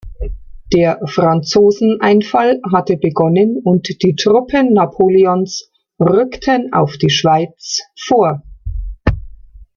Der Franzoseneinfall hatte begonnen und die Truppen Napoleons rückten auf die Schweiz vor.